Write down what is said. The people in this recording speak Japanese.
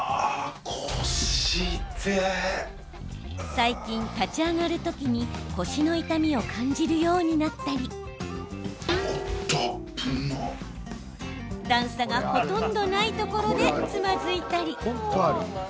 最近、立ち上がる時に腰の痛みを感じるようになったり段差がほとんどないところでつまずいたり。